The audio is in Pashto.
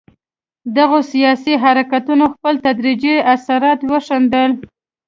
دغو سیاسي حرکتونو خپل تدریجي اثرات وښندل.